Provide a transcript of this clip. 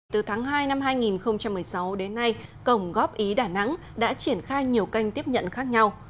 từ tháng hai năm hai nghìn một mươi sáu đến nay cổng góp ý đà nẵng đã triển khai nhiều kênh tiếp nhận khác nhau